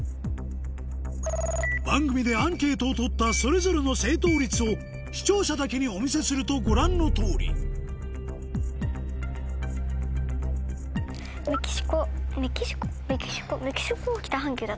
番組でアンケートを取ったそれぞれの正答率を視聴者だけにお見せするとご覧の通りメキシコメキシコ。